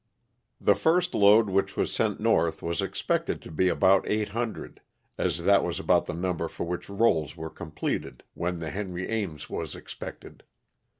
"The first load which was seat north was expected to be about 800, as that was about the number for which rolls were completed when the * Henry Ames' was expected.